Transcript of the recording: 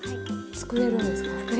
作れるんです。